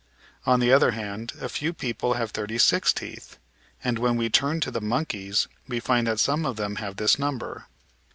On the other hand, a few people have thirty six teeth, and when we turn to the monkeys we find that some of them have this number.